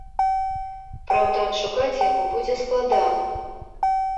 Праўда, адшукаць яго будзе складана.